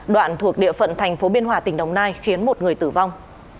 đoạn thuộc địa phận thành phố biên hòa tỉnh đồng nai khiến một người tử vong